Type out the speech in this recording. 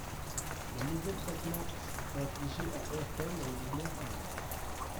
Les mauvais traitements infligés à Ayrton redoublèrent alors